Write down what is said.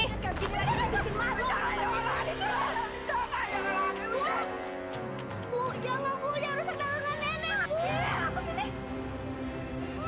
kayak begini lagi di singa